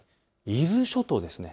伊豆諸島です。